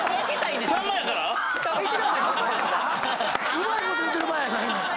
うまいこと言うとる場合やないねん！